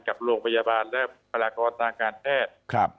กับโรงพยาบาลและพลากรทางการแพทย์